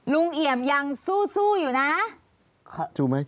ลุงเอี่ยมอยากให้อธิบดีช่วยอะไรไหม